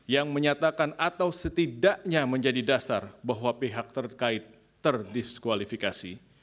yang menyatakan atau setidaknya menjadi dasar bahwa pihak terkait terdiskualifikasi